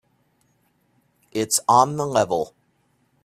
It's on the level.